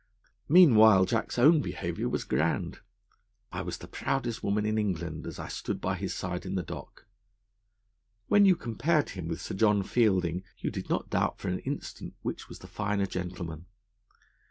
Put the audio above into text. Meanwhile Jack's own behaviour was grand. I was the proudest woman in England as I stood by his side in the dock. When you compared him with Sir John Fielding, you did not doubt for an instant which was the finer gentleman.